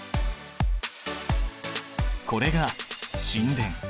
これが沈殿。